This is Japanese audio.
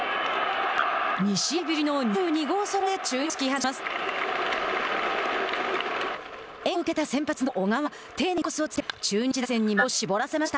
２試合ぶりの２２号ソロで中日を突き放します。